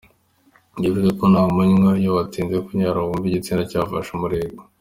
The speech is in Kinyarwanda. Twibuke ko na ku manywa iyo watinze kunyara wumva igitsina cyafashe umurego.